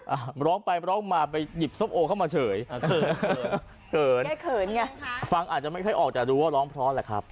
อ่ะมันร้องไปมันร้องมาไปหยิบซ่อมโอเข้ามาเฉยเขินเขินเขินฟังอาจจะไม่ค่อยออกจากรู้ว่าร้องเพราะอะไรครับ